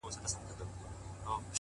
له لېوه څخه پسه نه پیدا کیږي!.